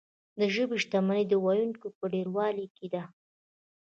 د ژبې شتمني د ویونکو په ډیروالي کې ده.